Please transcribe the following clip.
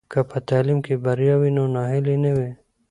که په تعلیم کې بریا وي نو ناهیلي نه وي.